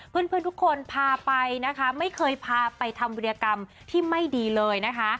เพื่อนทุกคนพาไปนะคะไม่เคยพาไปทำวิธีกรรมที่ไม่ดีเลยนะคะ